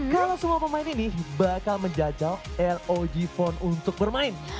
kalau semua pemain ini bakal menjajal rog phone untuk bermain